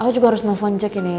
aku juga harus nelfon cek ya nih